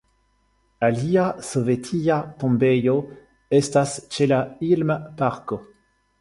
Alia sovetia tombejo estas ĉe la Ilm-parko.